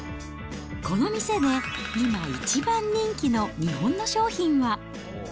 この店で今一番人気の日本の商品は。